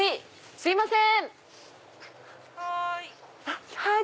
すいません。